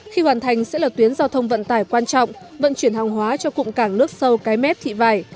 khi hoàn thành sẽ là tuyến giao thông vận tải quan trọng vận chuyển hàng hóa cho cụm cảng nước sâu cái mép thị vải